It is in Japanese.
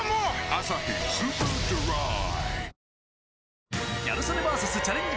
「アサヒスーパードライ」